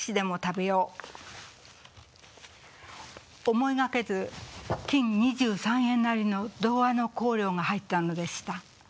思いがけず金二十三円なりの童話の稿料が入ったのでした。